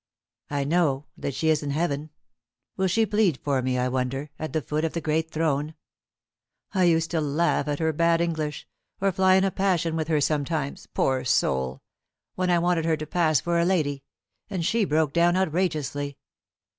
"I know that she is in heaven. Will she plead for me, I wonder, at the foot of the Great Throne? I used to laugh at her bad English, or fly in a passion with her sometimes, poor soul, when I wanted her to pass for a lady, and she broke down outrageously.